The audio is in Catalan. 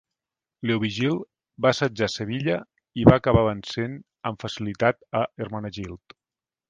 Leovigild va assetjar Sevilla i va acabar vencent amb facilitat a Hermenegild.